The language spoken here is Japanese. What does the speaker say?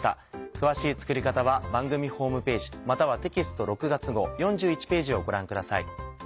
詳しい作り方は番組ホームページまたはテキスト６月号４１ページをご覧ください。